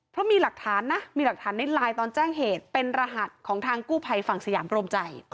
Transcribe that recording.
เพราะมีหลักฐานนะมีหลักฐานในไลน์ตอนแจ้งเหตุเป็นรหัสของทางกู้ภัยฝั่งสยามโรมใจ